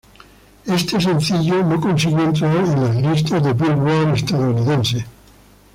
Este sencillo no consiguió entrar a las listas del Billboard estadounidense.